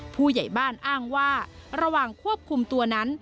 ผู้ใหญ่บ้านอ้างว่าระหว่างควบคุมตัวนั้น